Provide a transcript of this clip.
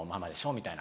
みたいな。